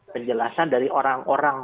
penjelasan dari orang orang